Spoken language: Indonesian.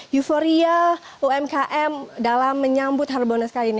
euforia umkm dalam menyambut harbolnas kali ini